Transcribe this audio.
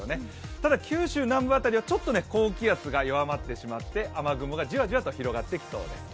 ただ、九州南部辺りはちょっと高気圧が弱まってしまって雨雲がじわじわと広がってきそうです。